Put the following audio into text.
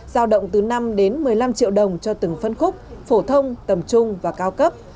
giao động từ năm đến một mươi năm triệu đồng cho từng phân khúc phổ thông tầm trung và cao cấp